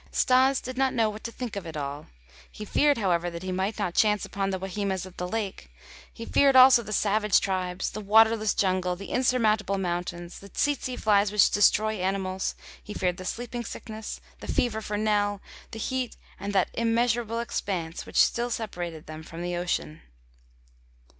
Stas did not know what to think of it all; he feared, however, that he might not chance upon the Wahimas at the lake; he feared also the savage tribes, the waterless jungle, the insurmountable mountains, the tsetse flies which destroy animals; he feared the sleeping sickness, the fever for Nell, the heat, and that immeasurable expanse which still separated them from the ocean.